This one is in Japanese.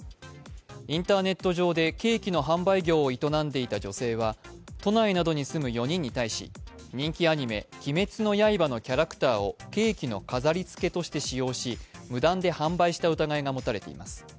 インターネット上でケーキの販売業を営んでいた女性は都内などに住む４人に対し、人気アニメ「鬼滅の刃」のキャラクターをケーキの飾りつけとして使用し無断で販売した疑いが持たれています。